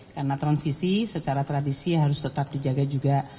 karena transisi secara tradisi harus tetap dijaga juga